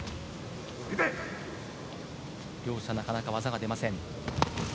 両者なかなか技が出ません。